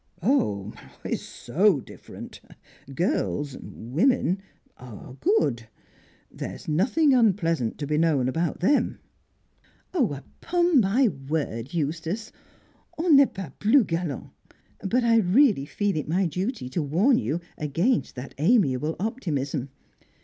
"Oh, it's so different. Girls women are good. There's nothing unpleasant to be known about them." "Upon my word, Eustace! On n'est pas plus galant! But I really feel it my duty to warn you against that amiable optimism.